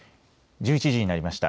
１１時になりました。